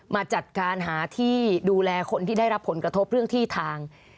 มาจัดการหาที่ดูแลคนที่ได้รับผลกระทบเรื่องที่ทาง